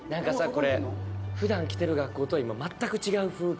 これ普段来てる学校とは今全く違う風景。